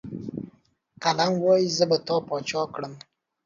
قلم وايي، زه به تا باچا کړم.